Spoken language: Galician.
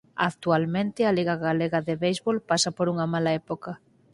Actualmente a Liga Galega de Béisbol pasa por unha mala época.